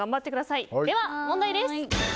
それでは問題です。